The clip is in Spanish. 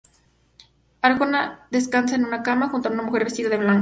Arjona descansa en una cama, junto a una mujer vestida de blanco.